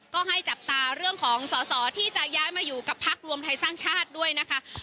ก็ให้จับตาเรื่องของสอสอที่จะย้ายมาอยู่กับพักรวมไทยสร้างชาติด้วยนะคะ